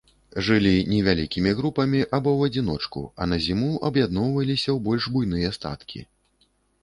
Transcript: Жылі невялікімі групамі або ў адзіночку, а на зіму аб'ядноўваліся ў больш буйныя статкі.